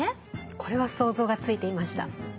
これは想像がついていました。